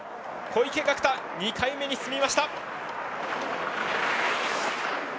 小池岳太、２回目に進みました。